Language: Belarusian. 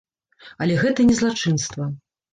Але гэта не злачынства.